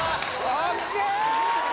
ＯＫ！